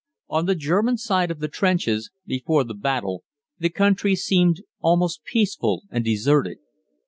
On the German side of the trenches, before the battle, the country seemed almost peaceful and deserted.